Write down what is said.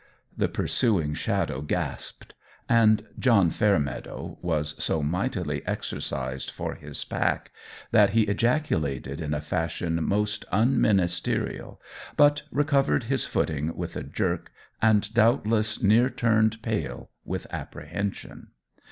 The pursuing Shadow gasped; and John Fairmeadow was so mightily exercised for his pack that he ejaculated in a fashion most unministerial, but recovered his footing with a jerk, and doubtless near turned pale with apprehension.